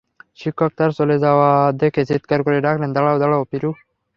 শিক্ষক তার চলে যাওয়া দেখে চিৎকার করে ডাকলেন, দাঁড়াও, দাঁড়াও পিরু।